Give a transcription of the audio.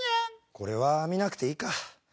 これは見なくていいか。